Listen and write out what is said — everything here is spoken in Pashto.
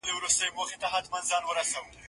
زه به اوږده موده مځکي ته کتلې وم؟!